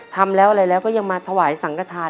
ทำแล้วอะไรก็ยังมาทหาสังขทาน